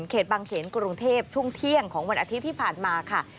บางเขนกรุงเทพช่วงเที่ยงของวันอาทิตย์ที่ผ่านมาค่ะ